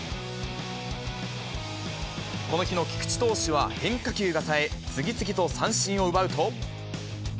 この日の菊池投手は変化球がさえ、次々と三振を奪うと。